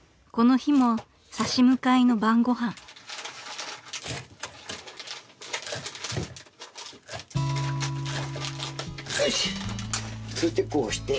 この日も差し向かいの晩ご飯］よし。